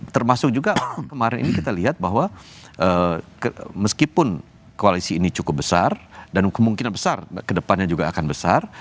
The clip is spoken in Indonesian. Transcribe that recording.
termasuk juga kemarin ini kita lihat bahwa meskipun koalisi ini cukup besar dan kemungkinan besar kedepannya juga akan besar